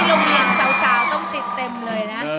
โรงเรียนสาวต้องติดเต็มเลยนะ